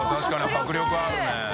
迫力ある！